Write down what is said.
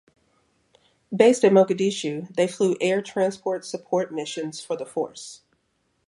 Based at Mogadishu, they flew air transport support missions for the force.